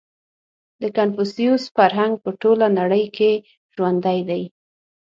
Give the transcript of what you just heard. • د کنفوسیوس فرهنګ په ټوله نړۍ کې ژوندی دی.